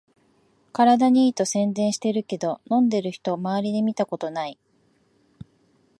体にいいと宣伝してるけど、飲んでる人まわりで見たことない